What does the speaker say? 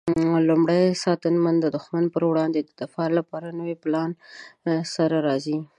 لومړی ساتنمن د دښمن پر وړاندې د دفاع لپاره د نوي پلان سره راځي.